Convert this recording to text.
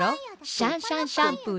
シャンシャンシャンプー。